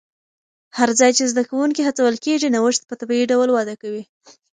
هر ځای چې زده کوونکي هڅول کېږي، نوښت په طبیعي ډول وده کوي.